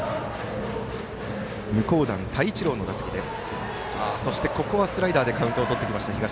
向段泰一郎の打席です。